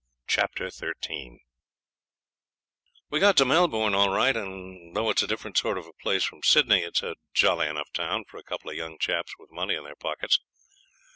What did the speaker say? Chapter 13 We got to Melbourne all right, and though it's a different sort of a place from Sydney, it's a jolly enough town for a couple of young chaps with money in their pockets.